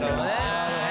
なるほどね。